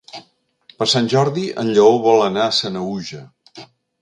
Per Sant Jordi en Lleó vol anar a Sanaüja.